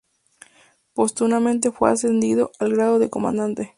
Póstumamente fue ascendido al grado de Comandante.